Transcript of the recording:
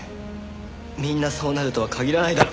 みんなそうなるとは限らないだろ。